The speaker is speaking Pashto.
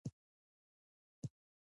تړون تعدیل سو.